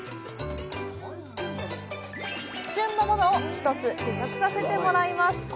旬のものを１つ試食させてもらいます。